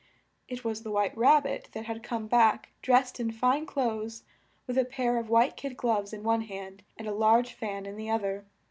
It was the White Rab bit that had come back, dressed in fine clothes, with a pair of white kid gloves in one hand, and a large fan in the oth er.